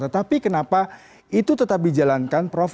tetapi kenapa itu tetap dijalankan prof